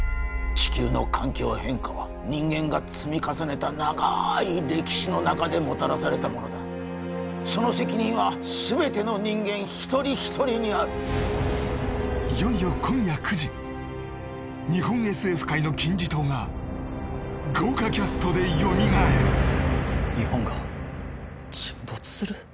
地球の環境変化は人間が積み重ねた長い歴史の中でもたらされたものだその責任は全ての人間一人一人にあるいよいよ今夜９時日本ＳＦ界の金字塔が豪華キャストでよみがえる日本が沈没する？